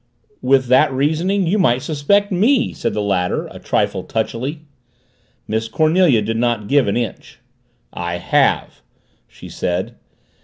"With that reasoning you might suspect me!" said the latter a trifle touchily. Miss Cornelia did not give an inch. "I have," she said.